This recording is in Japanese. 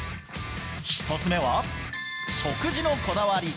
１つ目は食事のこだわり。